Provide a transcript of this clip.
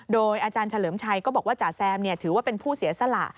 โดยอาจารย์เฉลิมชัยก็บอกว่าจ่าแซมถือว่าเป็นผู้เสียสละ